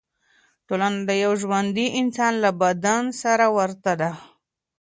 ټولنه د یو ژوندي انسان له بدن سره ورته ده.